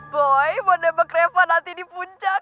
boy mau nembak reva nanti di puncak